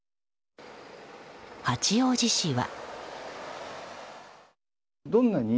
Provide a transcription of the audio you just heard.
八王子市は。